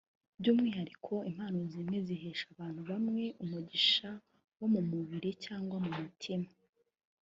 By’umwihariko impano zimwe zihesha abantu bamwe umugisha wo mu mubiri cyangwa mu mutima